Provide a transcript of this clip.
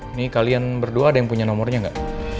ini kalian berdua ada yang punya nomornya nggak